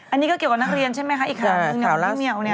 อันนี้ก็เกี่ยวกับนักเรียนใช่ไหมค่ะอีกข่าวนึงพี่เมี๋ว